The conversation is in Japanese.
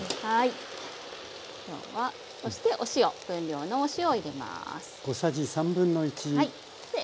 そしてお塩分量のお塩を入れます。